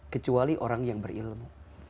kecuali orang yang berilmu